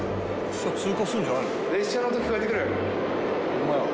「通過するんじゃないの？」